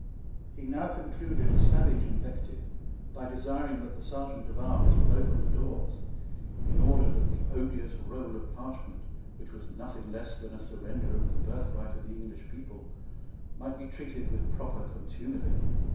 He now concluded a savage invective by desiring that the Serjeant at Arms would open the doors, in order that the odious roll of parchment, which was nothing less than a surrender of the birthright of the English people, might be treated with proper contumely.